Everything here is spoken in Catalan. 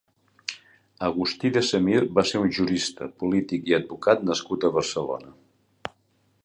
Agustí de Semir va ser un jurista, polític i advocat nascut a Barcelona.